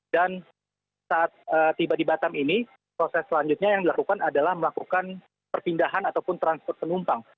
dan saat tiba di batam ini proses selanjutnya yang dilakukan adalah melakukan perpindahan ataupun transport penumpang